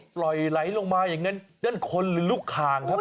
ปล่อยไหลลงมาอย่างนั้นยังค่อนหรือลูกข่าง